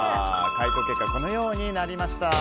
回答結果このようになりました。